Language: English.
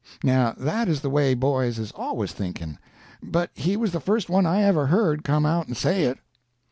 Now that is the way boys is always thinking, but he was the first one I ever heard come out and say it.